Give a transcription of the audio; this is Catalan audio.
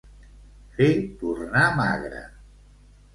Fer tornar magre.